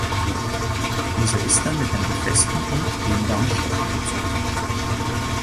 Dieser ist dann mit einem festen und dehnbaren Stoff überzogen.